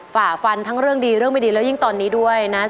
ฝ่าฟันทั้งเรื่องดีเรื่องไม่ดีแล้วยิ่งตอนนี้ด้วยนะ